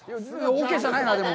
オーケーじゃないなぁ、でも。